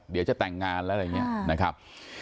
เดี๋ยวจะแต่งงานแล้วอะไรอย่างนี้นะครับ